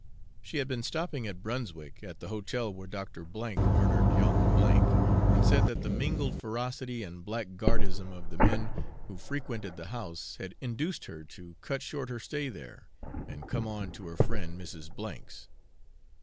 She had been stopping at Brunswick, at the hotel where Dr. H murdered young W , and said that the mingled ferocity and blackguardism of the men who frequented the house had induced her to cut short her stay there, and come on to her friend Mrs. A 's.